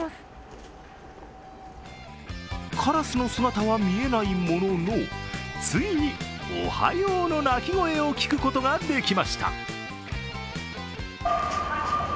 カラスの姿は見えないもののついに「おはよう」の鳴き声を聞くことができました。